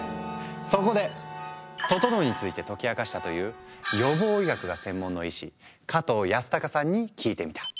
そこで「ととのう」について解き明かしたという予防医学が専門の医師加藤容祟さんに聞いてみた。